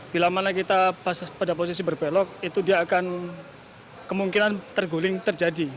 bila mana kita pada posisi berbelok itu dia akan kemungkinan terguling terjadi